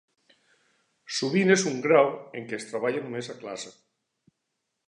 Sovint és un grau en què es treballa només a classe.